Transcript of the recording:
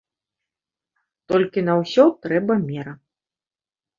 Толькі на ўсё трэба мера.